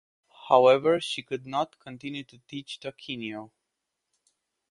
However, she could not continue to teach Toquinho.